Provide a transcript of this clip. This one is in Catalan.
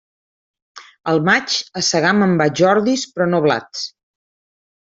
Al maig, a segar me'n vaig ordis però no blats.